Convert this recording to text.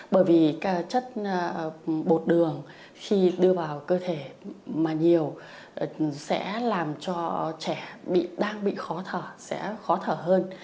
bởi vì chất bột đường khi đưa vào cơ thể mà nhiều sẽ làm cho trẻ đang bị khó thở sẽ khó thở hơn